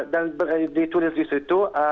dan ditulis di situ